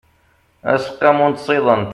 aseqqamu n tsiḍent